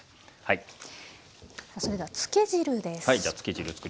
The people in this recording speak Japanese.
それではつけ汁です。